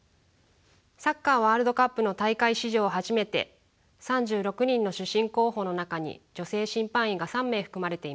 サッカーワールドカップの大会史上初めて３６人の主審候補の中に女性審判員が３名含まれています。